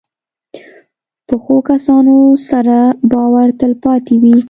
پخو کسانو سره باور تل پاتې وي